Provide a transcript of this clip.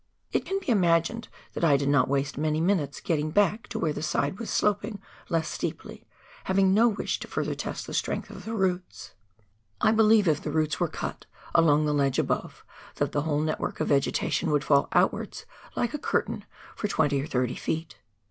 It can be imagined that I did not waste many minutes getting back to where the side was sloping less steeply, having no wish to further test the strength of the roots ! I believe, if the roots 190 PIONEER WORK IN THE ALPS OF NEW ZEALAND. were cut along the ledge above, tliat the whole network of vegetation would fall outwards like a curtain for 20 or 30 feet.